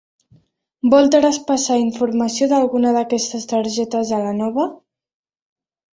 Vol traspassar informació d'alguna d'aquestes targetes a la nova?